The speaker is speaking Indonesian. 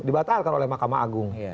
dibatalkan oleh makam agung